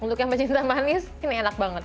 untuk yang pecinta manis ini enak banget